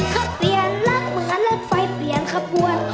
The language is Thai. เข้าเพียรและเหมือนรถไฟเปลี่ยนข้าวบวน